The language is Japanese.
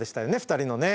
２人のね。